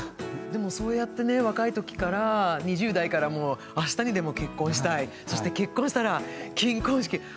でもそうやってね若い時から２０代からもうあしたにでも結婚したいそして結婚したら金婚式。